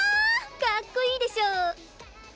かっこいいでしょ。